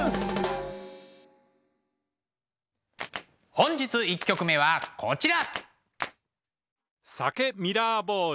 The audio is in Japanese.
本日１曲目はこちら。